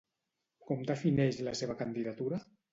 Com defineix la seva candidatura?